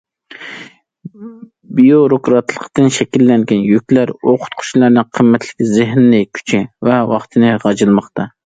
بىيۇروكراتلىقتىن شەكىللەنگەن يۈكلەر ئوقۇتقۇچىلارنىڭ قىممەتلىك زېھنىي كۈچى ۋە ۋاقتىنى غاجىلىماقتا.